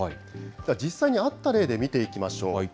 実際にあった例で見ていきましょう。